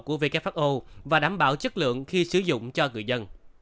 của quốc gia